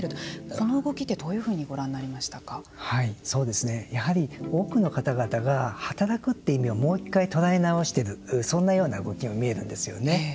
この動きって、どういうふうに多くの方々が働くって意味をもう一回、捉え直してるそんなような動きにも見えるんですよね。